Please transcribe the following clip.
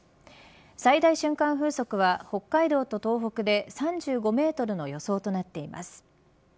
最大瞬間風速は北海道と東北で３５メートルの予想となっています。